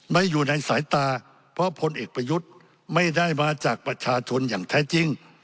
ไม่อยู่ในสายตาเพราะพลเอกประยุทธ์ไม่ได้มาจากประชาชนอย่างแท้จริง